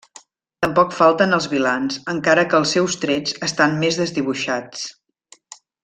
Tampoc falten els vilans, encara que els seus trets estan més desdibuixats.